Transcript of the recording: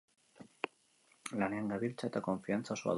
Lanean gabiltza eta konfiantza osoa dut.